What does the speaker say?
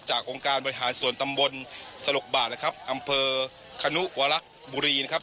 องค์การบริหารส่วนตำบลสลกบาดนะครับอำเภอคณุวลักษณ์บุรีนะครับ